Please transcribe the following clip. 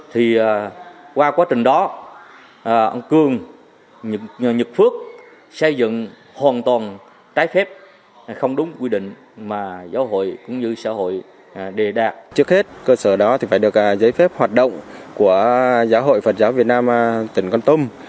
trước hết cơ sở đó phải được giấy phép hoạt động của giáo hội phật giáo việt nam tỉnh con tung